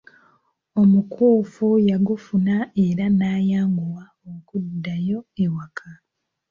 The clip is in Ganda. Omukuufu yagufuna era n'ayanguwa okuddayo ewaka.